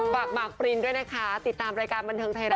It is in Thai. ฝากหมากปรินด้วยนะคะติดตามรายการบันเทิงไทยรัฐ